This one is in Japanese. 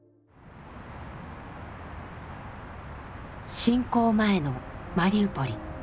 侵攻前のマリウポリ。